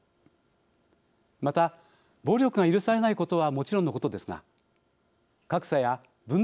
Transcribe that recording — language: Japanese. また暴力が許されないことはもちろんのことですが格差や分断が指摘される